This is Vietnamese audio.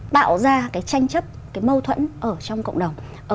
tạo ra tranh chấp mâu thuẫn ở trong cộng đồng